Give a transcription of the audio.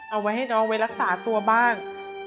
เอาไว้ให้น้องไว้รักษาตัวบ้าง